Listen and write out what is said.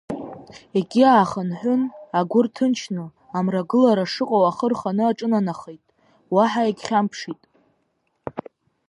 Егьи аахынҳәын, агәы рҭынчны, амрагылара шыҟоу ахы рханы аҿынанахеит, уаҳа егьхьамԥшит.